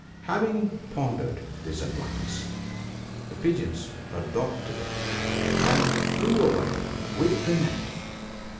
Having pondered this advice, the Pigeons adopted it; and flew away with the net.